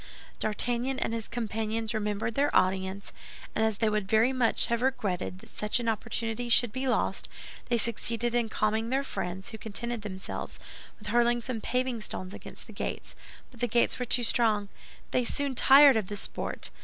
D'Artagnan and his companions remembered their audience, and as they would very much have regretted that such an opportunity should be lost, they succeeded in calming their friends, who contented themselves with hurling some paving stones against the gates; but the gates were too strong. They soon tired of the sport.